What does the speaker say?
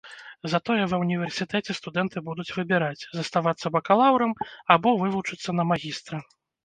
Затое ва ўніверсітэце студэнты будуць выбіраць, заставацца бакалаўрам або вывучыцца на магістра.